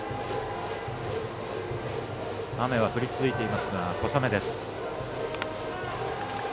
雨は降り続いていますが小雨です。